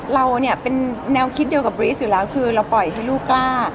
เราเนี่ยเป็นแนวคิดเดียวกับรีสอยู่แล้วคือเราปล่อยให้ลูกกล้า